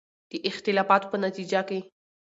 د اختلافاتو په نتیجه کې